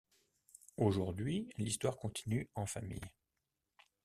Aujourd'hui, l’histoire continue en famille.